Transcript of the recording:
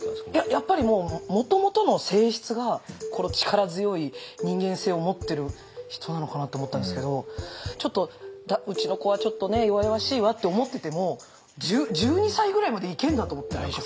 やっぱりもともとの性質がこの力強い人間性を持ってる人なのかなと思ったんですけどうちの子はちょっとね弱々しいわって思ってても１２歳ぐらいまでいけるんだと思って。